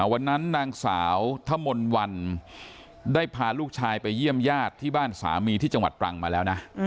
นางสาวทะมนต์วันได้พาลูกชายไปเยี่ยมญาติที่บ้านสามีที่จังหวัดตรังมาแล้วนะ